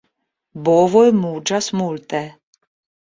Bovoj muĝas multe.